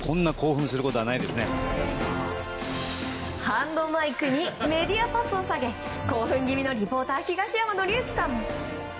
ハンドマイクにメディアパスを下げ興奮気味のリポーター東山紀之さん。